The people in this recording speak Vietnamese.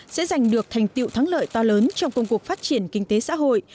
sẽ giành được thành tiệu thắng lợi to lớn trong công cuộc phát triển kinh tế xã hội